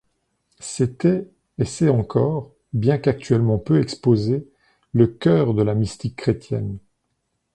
C'était et c'est encore, bien qu'actuellement peu exposé le cœur de la mystique chrétienne.